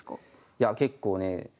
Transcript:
いや結構ね。